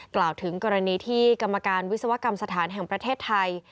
กล่าวถึงกรณีที่กรรมการวิศวกรรมสถานแห่งประเทศไทย